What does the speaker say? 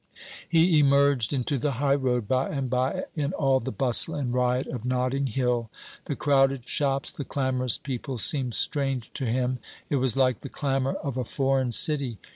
He emerged into the high road by and by, in all the bustle and riot of Notting Hill. The crowded shops, the clamorous people, seemed strange to him. It was like the clamour of a foreign city.